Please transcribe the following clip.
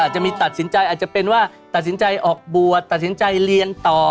จะมีตัดสินใจอาจจะเป็นว่าตัดสินใจออกบวชตัดสินใจเรียนต่อ